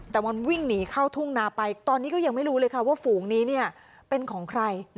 แต่มันวิ่งหนีเข้าทุ่งนาไปตอนนี้ก็ยังไม่รู้เลยค่ะว่าฝูงนี้เป็นของใคร